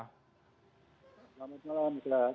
selamat malam pak